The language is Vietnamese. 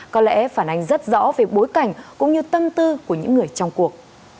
có lẽ phản ánh rất rõ về bối cảnh cũng như tâm tư của những người trong cuộc